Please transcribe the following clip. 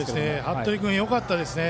服部君よかったですね。